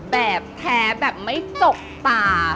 แบบแท้แบบไม่จกตา